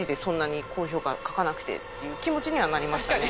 いう気持ちにはなりましたね。